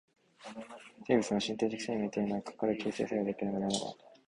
生物の身体的生命というのは、かかる形成作用でなければならない。